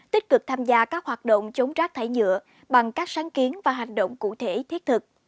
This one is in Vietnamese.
tích cực tham gia các hoạt động chống rác thải nhựa bằng các sáng kiến và hành động cụ thể thiết thực